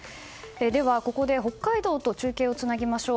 では、ここで北海道と中継をつなぎましょう。